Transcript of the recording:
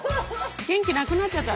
元気なくなっちゃった。